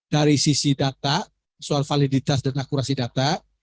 dari sisi data soal validitas dan akurasi data